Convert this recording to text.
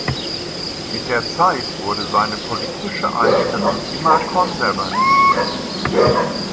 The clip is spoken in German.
Mit der Zeit wurde seine politische Einstellung immer konservativer.